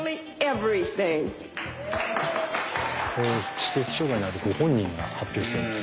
知的障害のあるご本人が発表してるんですね。